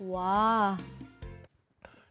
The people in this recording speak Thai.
ว้าว